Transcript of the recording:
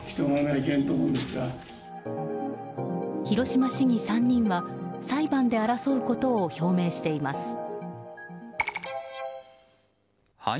広島市議３人は裁判で争うことを表明しています。